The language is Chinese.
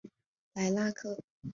莱拉克。